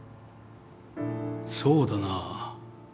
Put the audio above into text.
そうだな。